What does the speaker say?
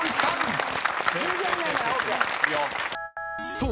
［そう。